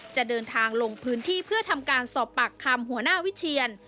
จะเดินทางลงพื้นที่เพื่อทำการสอบปากคำหัวหน้าวิเชียน